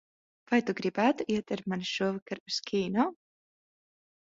Vai tu gribētu iet ar mani šovakar uz kino?